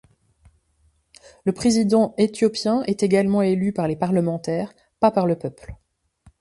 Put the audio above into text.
Le président éthiopien est également élu par les parlementaires, pas par le peuple.